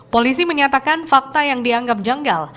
polisi menyatakan fakta yang dianggap janggal